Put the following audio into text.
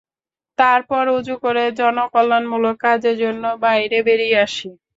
তারপর উযূ করে জনকল্যাণমূলক কাজের জন্য বাইরে বেরিয়ে আসি।